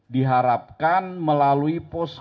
diharapkan melalui posko